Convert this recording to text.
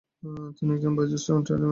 তিনি একজন বয়োজ্যেষ্ঠ ট্রেড ইউনিয়ন নেতা।